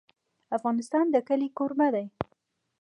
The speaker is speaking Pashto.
افغانستان د کلي کوربه دی.